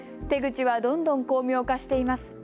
手口はどんどん巧妙化しています。